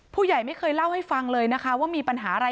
ไม่เคยเล่าให้ฟังเลยนะคะว่ามีปัญหาอะไร